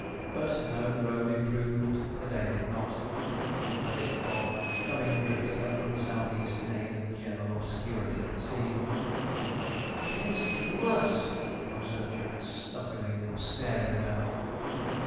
But though the road improved, the day did not; a thick fog coming drifting up from the south east in aid of the general obscurity of the scene. 'The day's gettin' wuss,' observed Jack, snuffling and staring about.